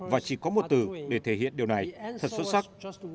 và chỉ có một từ để thể hiện điều này thật xuất sắc